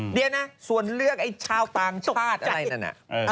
เดี๋ยวนะส่วนเลือกไอ้ชาวต่างชาติอะไรนั่นน่ะ